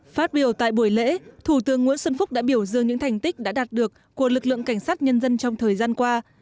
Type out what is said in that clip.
phát biểu tại buổi lễ thủ tướng nguyễn xuân phúc đã biểu dương những thành tích đã đạt được của lực lượng cảnh sát nhân dân trong thời gian qua